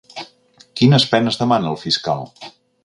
Quines penes demana el fiscal?